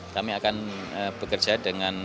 kami akan bekerja dengan